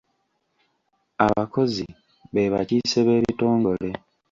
Abakozi be bakiise b'ekitongole.